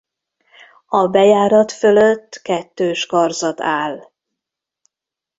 A bejárat fölött kettős karzat áll.